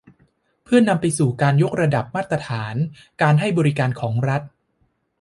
เพื่อนำไปสู่การยกระดับมาตรฐานการให้บริการของรัฐ